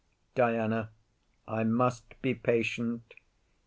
DIANA. I must be patient.